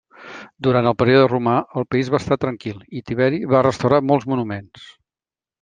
Durant el període romà el país va estar tranquil, i Tiberi va restaurar molts monuments.